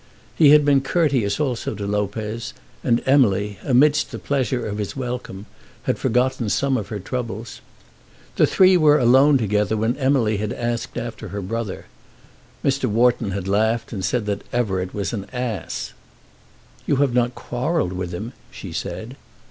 He had been courteous also to Lopez, and Emily, amidst the pleasure of his welcome, had forgotten some of her troubles. The three were alone together, and when Emily had asked after her brother, Mr. Wharton had laughed and said that Everett was an ass. "You have not quarrelled with him?" she said.